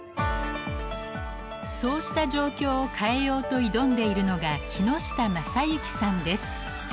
そうした状況を変えようと挑んでいるのが木下昌之さんです。